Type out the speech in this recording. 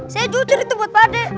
saya jujur itu buat pak ade